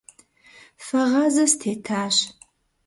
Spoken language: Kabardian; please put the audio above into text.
Фэгъазэ стетащ.